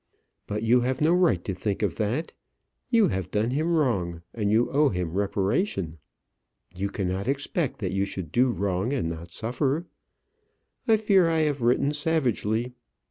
But you have no right to think of that. You have done him wrong, and you owe him reparation. You cannot expect that you should do wrong and not suffer. I fear I have written savagely.